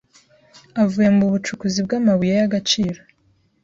avuye mu bucukuzi bw’amabuye y’agaciro